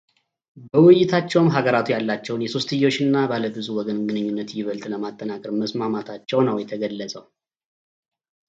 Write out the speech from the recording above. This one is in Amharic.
በውይይታቸውም ሀገራቱ ያላቸውን የሶስትዮሽና ባለብዙ ወገን ግንኙነት ይበልጥ ለማጠናከር መስማማታቸው ነው የተገለጸው፡፡